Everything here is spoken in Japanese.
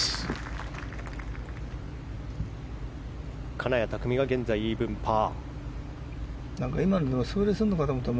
金谷拓実は現在イーブンパー。